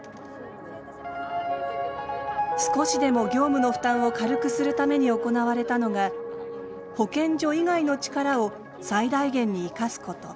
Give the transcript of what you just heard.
少しでも業務の負担を軽くするために行われたのが保健所以外の力を最大限に生かすこと。